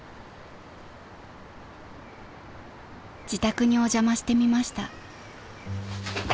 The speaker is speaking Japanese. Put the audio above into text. ［自宅にお邪魔してみました］